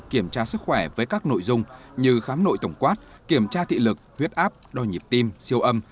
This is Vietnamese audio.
kiểm tra sức khỏe với các nội dung như khám nội tổng quát kiểm tra thị lực huyết áp đo nhịp tim siêu âm